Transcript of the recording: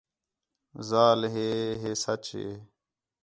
ذال ہے ، ہے سچ ہے